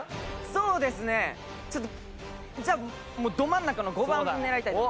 そうですねちょっとじゃあもうど真ん中の５番狙いたいと思います。